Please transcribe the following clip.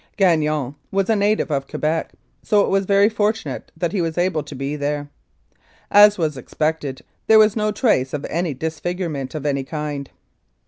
Gagnon was a native of Quebec, so it was very fortunate that he was able to be there. As was expected, there was no trace of any dis figurement of any kind.